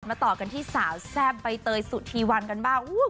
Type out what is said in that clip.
ต่อกันที่สาวแซ่บใบเตยสุธีวันกันบ้าง